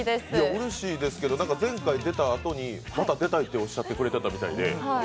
うれしいですけど、前回出たあとにまた出たいっておっしゃってくれてたみたいで。